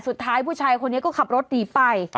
สุดท้ายผู้ชายคนนี้ก็ขับรถหนีไป